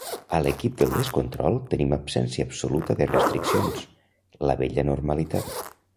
A l’equip del descontrol tenim absència absoluta de restriccions, la vella normalitat.